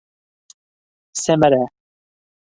Сәмәрә!!!